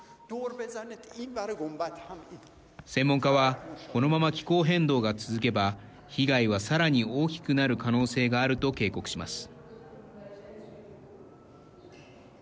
専門家はこのまま気候変動が続けば被害は、さらに大きくなる可能性があると警告します。